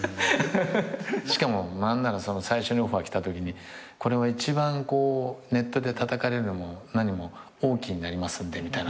しかも何なら最初にオファー来たときに「一番ネットでたたかれるのも何も王騎になりますんで」みたいな。